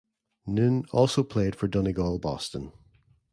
Noone also played for Donegal Boston.